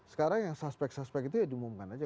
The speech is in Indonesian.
sekarang yang suspek suspek itu ya diumumkan aja